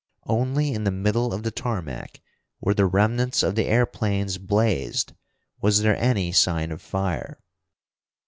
Only in the middle of the tarmac, where the remnants of the airplanes blazed, was there any sign of fire.